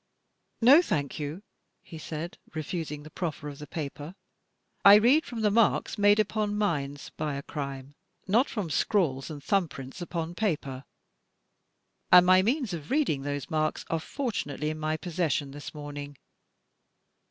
"No, thank you," he said, refusing the proffer of the paper. "I read from the marks made upon minds by a crime, not from scrawls and thiunbprints upon paper. And my means of reading those marks are forttmately in my possession this morning.